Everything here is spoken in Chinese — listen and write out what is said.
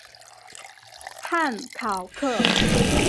汉考克。